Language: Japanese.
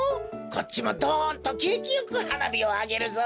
こっちもドンとけいきよくはなびをあげるぞ！